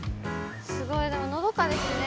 すごい何かのどかですね。